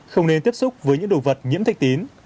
không nên tiếp xúc với những đồ vật nhiễm thách tín